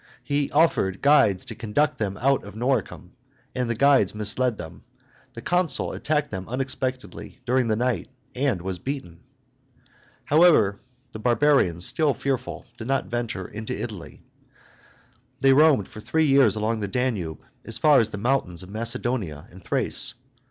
He offered guides to conduct them out of Noricum; and the guides misled them. The consul attacked them unexpectedly during the night, and was beaten. However, the barbarians, still fearful, did not venture into Italy. They roamed for three years along the Danube, as far as the mountains of Macedonia and Thrace.